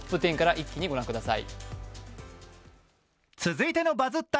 一気に御覧ください。